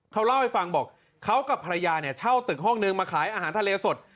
เขาเล่าให้ฟังบอกเขากับภรรยาเนี่ยเช่าตึกห้องนึงมาขายอาหารทะเลสด